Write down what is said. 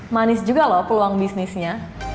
manis juga loh peluang bisnisnya